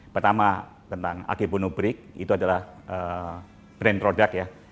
pertama tentang ag puno brick itu adalah brand produk indonesia